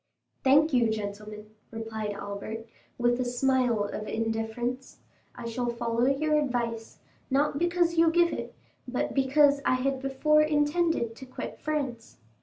"Thank you, gentlemen," replied Albert, with a smile of indifference; "I shall follow your advice—not because you give it, but because I had before intended to quit France.